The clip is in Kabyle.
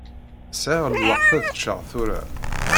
Sɛiɣ lweqt ad ččeɣ tura.